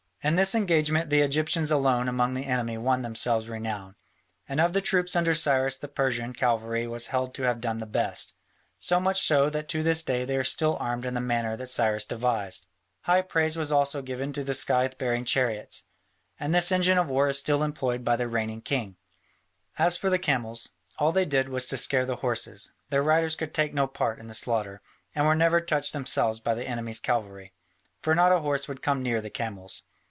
In this engagement the Egyptians alone among the enemy won themselves renown, and of the troops under Cyrus the Persian cavalry was held to have done the best, so much so that to this day they are still armed in the manner that Cyrus devised. High praise also was given to the scythe bearing chariots, and this engine of war is still employed by the reigning king. As for the camels, all they did was to scare the horses; their riders could take no part in the slaughter, and were never touched themselves by the enemy's cavalry. For not a horse would come near the camels.